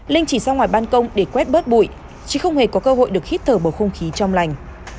linh chỉ sang ngoài ban công để quét bớt bụi chỉ không hề có cơ hội được hít thở bộ không khí trong lành